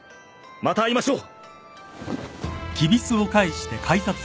また会いましょう。